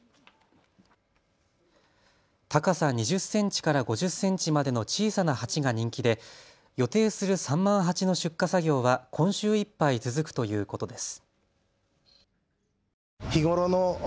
高さ２０センチから５０センチまでの小さな鉢が人気で予定する３万鉢の出荷作業は今週いっぱい続くということです。